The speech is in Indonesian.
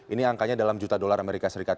ini angkanya dalam juta dolar amerika serikat